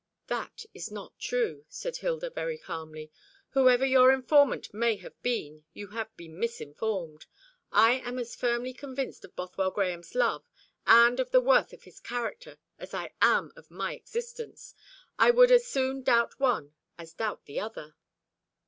"That is not true," said Hilda very calmly. "Whoever your informant may have been, you have been misinformed. I am as firmly convinced of Bothwell Grahame's love, and of the worth of his character, as I am of my existence. I would as soon doubt one as doubt the other."